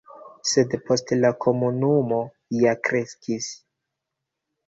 Sed poste la komunumo ja kreskis.